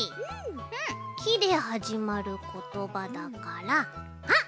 「き」ではじまることばだからあっ！